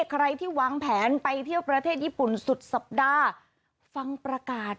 ใครที่วางแผนไปเที่ยวประเทศญี่ปุ่นสุดสัปดาห์ฟังประกาศ